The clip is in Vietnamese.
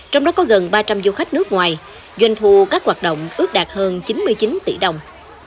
trong đó có gần ba trăm linh du khách nước ngoài doanh thu các hoạt động ước đạt hơn chín mươi chín tỷ đồng